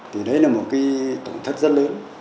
thì đấy là một cái tổn thất rất lớn